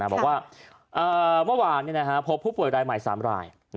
บอกว่าเมื่อวานพบผู้ป่วยรายใหม่๓ราย